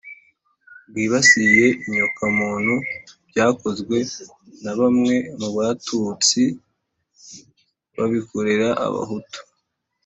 bwibasiye inyoko muntu byakozwe na bamwe mu batutsi babikorera abahutu